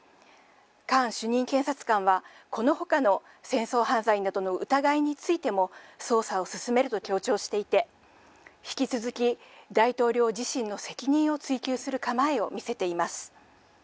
カーン主任警察官は、このほかの戦争犯罪などの疑いについても捜査を進めると強調していて、引き続き大統領自身の責任を追及する構えを見せています。